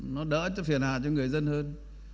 nó đỡ cho phiền hạ cho người dân hơn